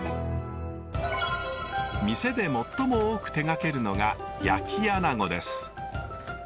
店で最も多く手がけるのが焼きアナゴです。